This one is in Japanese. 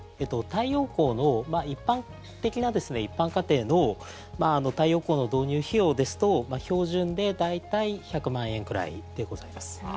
太陽光の一般的な、一般家庭の太陽光の導入費用ですと標準で大体１００万円くらいでございます。